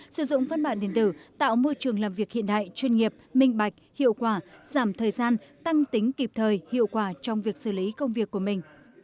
sử dụng phân bản điện tử tạo môi trường làm việc hiện đại chuyên nghiệp minh bạch hiệu quả giảm thời gian tăng tính kịp thời hiệu quả trong việc xử lý công việc của mình